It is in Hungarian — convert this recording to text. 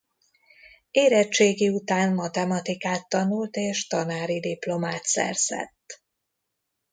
Érettségi után matematikát tanult és tanári diplomát szerzett.